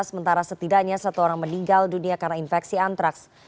sementara setidaknya satu orang meninggal dunia karena infeksi antraks